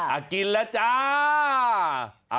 กินแล้วจ้า